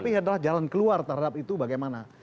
tapi adalah jalan keluar terhadap itu bagaimana